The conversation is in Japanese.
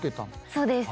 そうです。